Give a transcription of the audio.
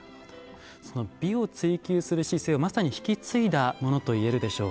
その美を追求する姿勢をまさに引き継いだものといえるでしょう。